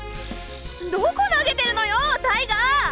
どこ投げてるのよタイガー！